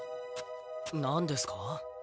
何ですか？